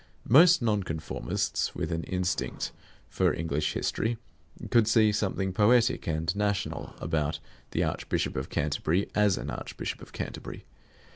Most Nonconformists with an instinct for English history could see something poetic and national about the Archbishop of Canterbury as an Archbishop of Canterbury.